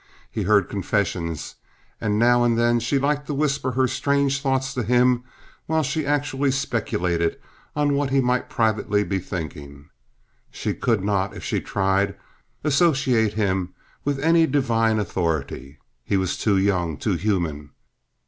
He heard confessions and now and then she liked to whisper her strange thoughts to him while she actually speculated on what he might privately be thinking. She could not, if she tried, associate him with any divine authority. He was too young, too human.